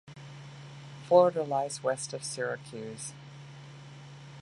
Floridia lies west of Syracuse.